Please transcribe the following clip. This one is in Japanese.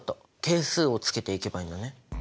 係数をつけていけばいいんだね。